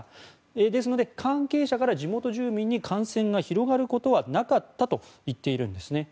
ですから、関係者から地元住民に感染が広がることはなかったと言っているんですね。